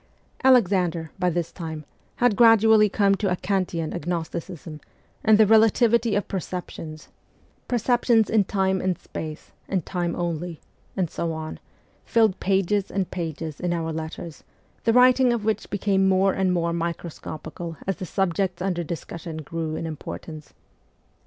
Alexander, by this time, had gradually come to a Kantian agnosticism, and the ' relativity of perceptions,' VOL. i. I 114 MEMOIRS OF A REVOLUTIONIST ' perceptions in time and space, and time only,' and so on, filled pages and pages in our letters, the writing of which became more and more microscopical as the subjects under discussion grew in importance.